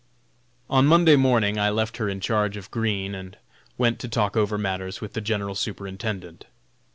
On Monday morning I left her in charge of Green and went to talk over matters with the General Superintendent.